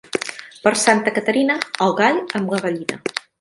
Per Santa Caterina, el gall amb la gallina.